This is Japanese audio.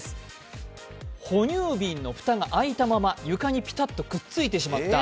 哺乳瓶の蓋が開いたまま床にピタッとくっついてしまった。